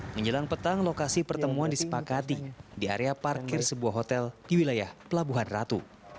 menjelang petang lokasi pertemuan disepakati di area parkir sebuah hotel di wilayah pelabuhan ratu